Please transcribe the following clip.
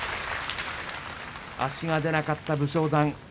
足が出なかった武将山。